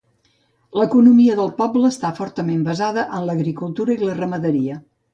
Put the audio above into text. L'economia del poble està fortament basada en l'agricultura i la ramaderia.